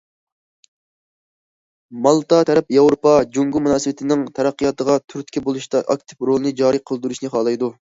مالتا تەرەپ ياۋروپا- جۇڭگو مۇناسىۋىتىنىڭ تەرەققىياتىغا تۈرتكە بولۇشتا ئاكتىپ رولىنى جارى قىلدۇرۇشنى خالايدۇ.